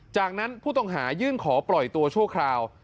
จากนั้นผู้ต้องหายื่นขอปล่อยตัวชั่วคราว